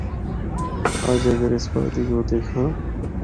اَجّ اگر اس وادی کو دِکھّاں۔